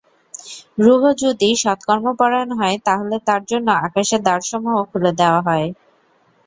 রূহ যদি সৎকর্মপরায়ণ হয়, তাহলে তার জন্য আকাশের দ্বারসমূহ খুলে দেওয়া হয়।